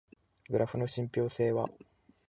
グラフの信憑性は？